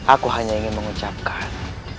aku hanya ingin mengucapkan